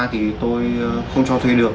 thì tôi không cho thuê được